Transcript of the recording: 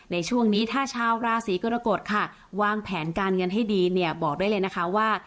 ในช่วงนี้ถ้าชาวราศีกรกฎค่ะวางแผนการเงินให้ดีเนี่ยบอกได้เลยนะคะว่า